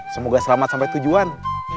semoga selamat sampai tujuan